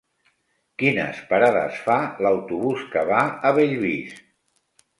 Quines parades fa l'autobús que va a Bellvís?